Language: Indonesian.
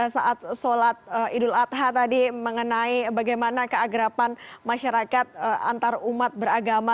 saat sholat idul adha tadi mengenai bagaimana keagrapan masyarakat antarumat beragama